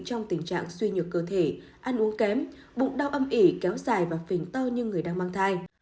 trong tình trạng suy nhược cơ thể ăn uống kém bụng đau âm ỉ kéo dài và phình to như người đang mang thai